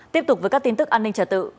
tiếp tục với các tin tức an ninh trả tự